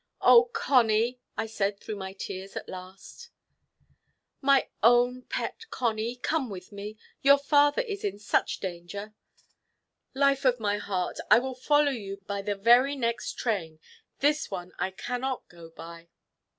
"Oh, Conny," I said through my tears at last, "my own pet Conny, come with me. Your father is in such danger." "Life of my heart, I will follow you by the very next train. This one I cannot go by."